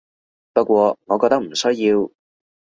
不過我覺得唔需要